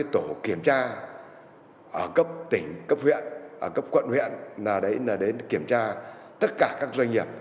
ba mươi tổ kiểm tra ở cấp tỉnh cấp huyện cấp quận huyện là để kiểm tra tất cả các doanh nghiệp